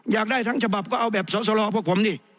อยากได้ทั้งฉบับก็เอาแบบสอสรพวกผมนี่